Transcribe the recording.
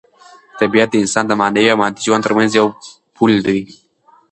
طبیعت د انسان د معنوي او مادي ژوند ترمنځ یو پل دی.